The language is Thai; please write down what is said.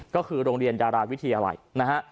ก็คือโรงเรียนดาราวิทยาลัยนะฮะ